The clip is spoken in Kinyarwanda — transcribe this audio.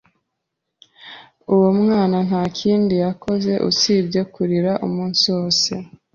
Uwo mwana nta kindi yakoze usibye kurira umunsi wose.